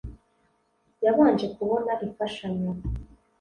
yabanje kubona imfashanyo